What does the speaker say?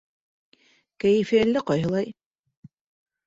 Кәйефе әллә ҡайһылай.